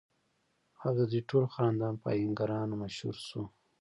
او ددوي ټول خاندان پۀ اهنګرانو مشهور شو ۔